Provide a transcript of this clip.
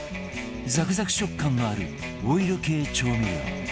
ザクザク食感のあるオイル系調味料